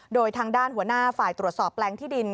โดยทางด้านหัวหน้าฝ่ายตรวจสอบแปลงที่ดิน